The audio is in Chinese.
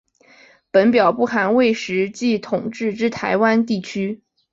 本表不含未实际统治之台湾地区。